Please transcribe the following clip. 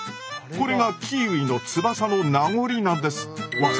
これがキーウィの翼の名残なんです。